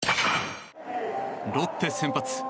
ロッテ先発